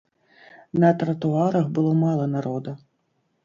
На тратуарах было мала народа.